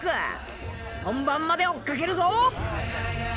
本番まで追っかけるぞ！